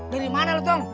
dari mana lu dong